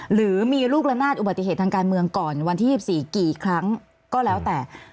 หรือมีลูกละนาดอุบัติเหตุทางการเมืองก่อนวันที่๒๔กี่ครั้งก็แล้วแต่